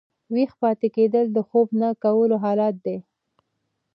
ویښ پاته کېدل د خوب نه کولو حالت دئ.